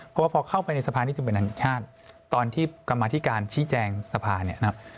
เพราะว่าพอเข้าไปในสภานิติบัญชาติตอนที่กรรมาธิการชี้แจงสภาเนี่ยนะครับ